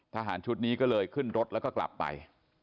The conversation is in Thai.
ทหารชุดนี้ก็เลยขึ้นรถแล้วก็กลับไป